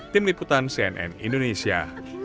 tim liputan cnn indonesia